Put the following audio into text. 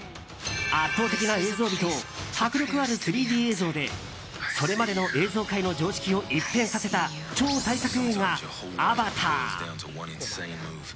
圧倒的な映像美と迫力ある３Ｄ映像でそれまでの映像界の常識を一変させた超大作映画「アバター」。